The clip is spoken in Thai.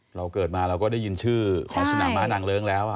เราเกิดมาเราก็ได้ยินชื่อของสนามม้านางเลิ้งแล้ว